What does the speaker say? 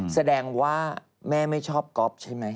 แสดงว่าแม่ไม่ชอบก๊อฟใช่ไหม